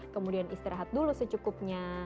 kemudian istirahat dulu secukupnya